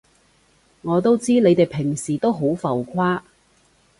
我都知你哋平時都好浮誇